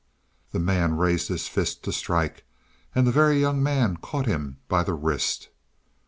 The man raised his fist to strike, and the Very Young Man caught him by the wrist.